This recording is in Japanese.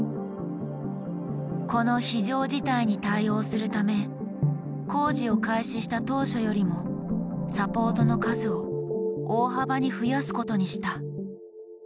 この非常事態に対応するため工事を開始した当初よりもサポートの数を大幅に増やすことにした。